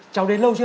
cháu đến lâu chưa